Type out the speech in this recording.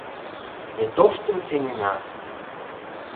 — Ме тоштым сеҥена!